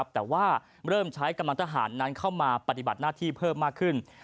แต่ว่าเริ่มใช้กำลังทหารนั้นเข้ามาปฏิบัติหน้าที่เพิ่มมากขึ้น